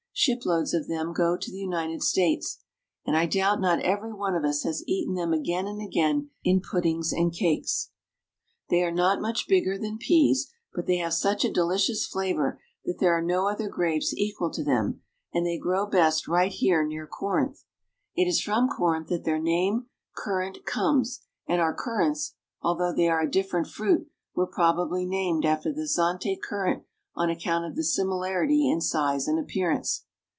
Shiploads of them go to the United States ; and I doubt not every one of us has eaten them again and again in puddings and cakes. They 392 ITALY. are not much bigger than peas, but they have such a deli cious flavor that there are no other grapes equal to them, and they grow best right here near Corinth. It is from Corinth that their name, currant, comes ; and our currants, although they are a different fruit, were probably named after the Zante currant on account of the similarity in size and appearance.